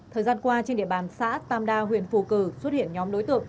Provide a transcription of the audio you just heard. thời gian qua trên địa bàn xã tam đa huyện phù cử xuất hiện nhóm đối tượng